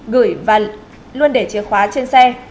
gửi và luôn để chìa khóa trên xe